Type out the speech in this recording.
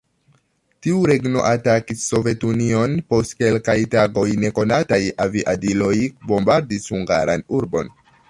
Tiu regno atakis Sovetunion, post kelkaj tagoj nekonataj aviadiloj bombardis hungaran urbon.